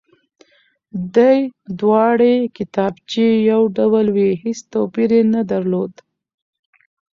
دې دواړې کتابچې يو ډول وې هېڅ توپير يې نه درلود،